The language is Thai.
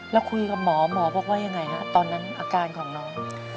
แล้วคุยกับหมอหมอบอกว่ายังไงฮะตอนนั้นอาการของน้อง